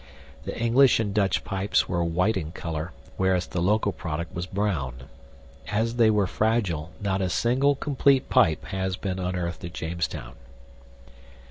The English and Dutch pipes were white in color, whereas the local product was brown. As they were fragile, not a single complete pipe has been unearthed at Jamestown.